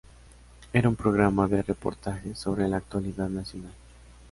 Era un programa de reportajes sobre la actualidad nacional.